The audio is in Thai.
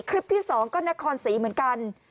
คลิปที่๒ก็นครศรีเหมือนกัน